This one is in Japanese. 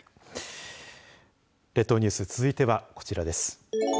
列島ニュース続いてはこちらです。